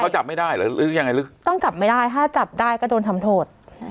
เขาจับไม่ได้หรือยังไงหรือต้องจับไม่ได้ถ้าจับได้ก็โดนทำโทษ